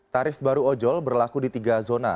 tarif baru ojol berlaku di tiga zona